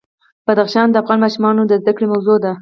بدخشان د افغان ماشومانو د زده کړې موضوع ده.